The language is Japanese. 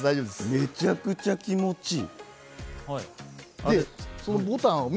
めちゃくちゃ気持ち良い！